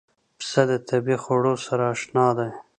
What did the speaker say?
پسه د طبیعي خوړو سره اشنا دی.